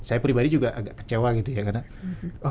saya pribadi juga agak kecewa gitu ya karena